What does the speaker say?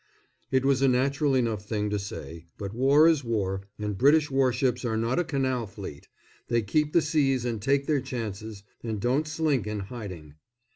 It was a natural enough thing to say, but war is war and British warships are not a canal fleet; they keep the seas and take their chances, and don't slink in hiding.